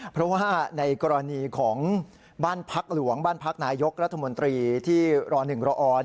เพราะว่าในกรณีของบ้านพักหลวงบ้านพักนายกรัฐมนตรีที่ร๑รอ